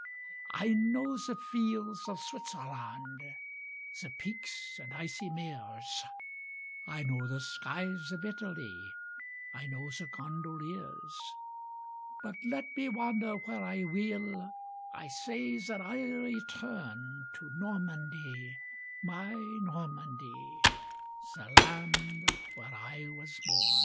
174! I know the fields of Switzerland, The peaks and icy meres; I know the skies of Italy, I know the gondoliers; But let me wander where I will, I say that I'll return To Normandy, my Normandy, The land where I was bom.